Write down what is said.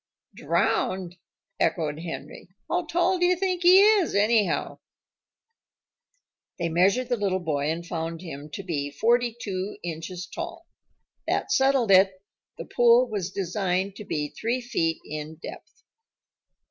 "Drowned!" echoed Henry. "How tall do you think he is, anyhow?" They measured the little boy and found him to be forty two inches tall. That settled it; the pool was designed to be three feet in depth.